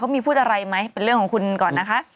มีพูดอะไรไหมเป็นเรื่องของคุณก่อนนะคะ